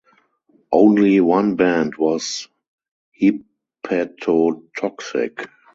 Only one band was hepatotoxic.